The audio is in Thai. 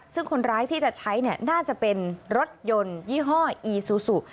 ซึ่งคนร้ายที่จะใช้น่าจะเป็นรถยนต์ยี่ห้ออีซูซู